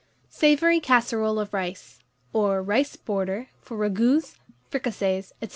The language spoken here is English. SAVOURY CASSEROLE OF RICE. Or Rice Border, for Ragouts, Fricassees, &c.